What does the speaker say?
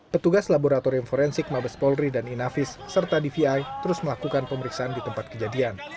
petugas laboratorium forensik mabes polri dan inavis serta dvi terus melakukan pemeriksaan di tempat kejadian